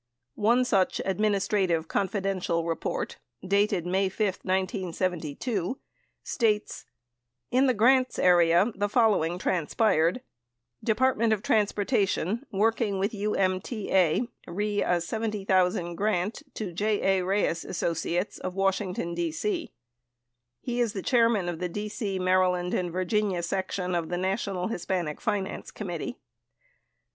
One such "Administrative — Confiden tial" report, dated May 5, 1972, states : In the grants area, the following transpired : Department of Transportation : working with UMTA re a $70,000 grant to J. A. Reyes Associates of Washington, D.C. He is the chairman of the D.C., Maryland, and Virginia section of the National Hispanic Finance Committee.